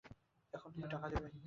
এখন তুমি টাকা দেবে।